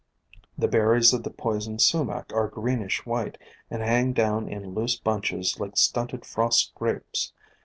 The ber ries of the Poison Su mac are greenish white and hang down in loose bunches like stunted frost grapes.